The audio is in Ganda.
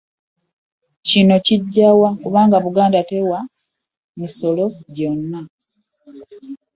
Kino kijjawa kubanga Buganda tewa misolo gyonna